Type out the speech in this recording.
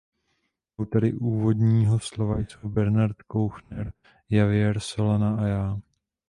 Autory úvodního slova jsou Bernard Kouchner, Javier Solana a já.